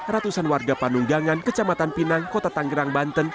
ratusan warga panunggangan kecamatan pinang kota tanggerang banten